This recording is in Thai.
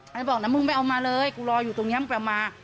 ก็บอกน้ำมึงไปเอามาเลยกูรออยู่ตรงเนี้ยมึงไปเอามา